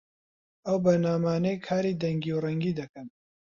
ئەو بەرنامانەی کاری دەنگی و ڕەنگی دەکەن